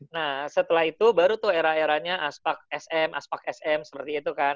nah setelah itu baru tuh era eranya aspak sm aspak sm seperti itu kan